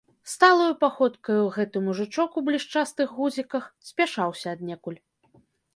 Сталаю паходкаю гэты мужычок у блішчастых гузіках спяшаўся аднекуль.